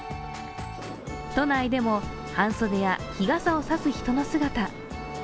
都内でも半袖や日傘を差す人の姿。